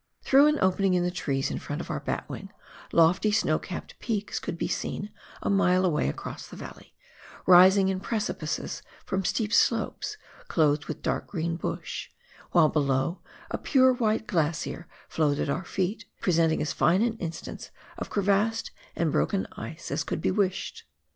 Through an opeaing in the trees in front of our batwing, lofty snow capped peaks could be seen a mile away across the valley, rising in precipices from steep slopes, clothed with dark green bush ; while below, a pure white glacier flowed at our feet, presenting as fine an instance of crevassed and broken ice as could be wished.